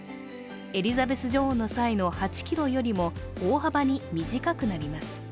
エリザベス女王の際の８ｋｍよりも大幅に短くなります。